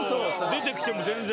出てきても全然。